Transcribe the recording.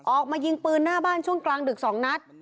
ออกมายิงปืนหน้าบ้านช่วงกลางดึก๒นัด